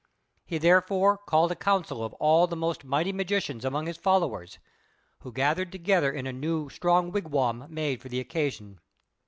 He therefore called a council of all the most mighty magicians among his followers, who gathered together in a new strong wigwam made for the occasion.